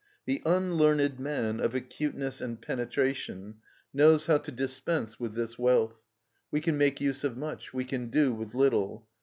The unlearned man of acuteness and penetration knows how to dispense with this wealth; we can make use of much; we can do with little.